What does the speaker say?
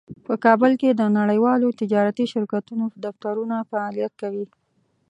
په کابل کې د نړیوالو تجارتي شرکتونو دفترونه فعالیت کوي